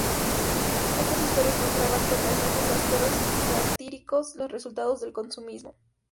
Estas historias mostraban con paisajes ásperos y satíricos los resultados del consumismo.